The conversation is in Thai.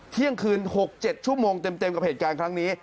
เที่ยงคืน๖๗ชั่วโมงเต็มกับเหตุการณ์ครั้งนี้